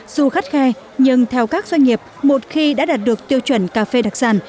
dù khắt khe nhưng theo các doanh nghiệp một khi đã đạt được tiêu chuẩn cà phê đặc sản